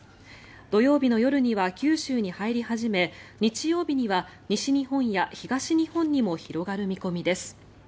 土曜日の夜には九州に入り始め日曜日には西日本や東日本にも広がる見込みです。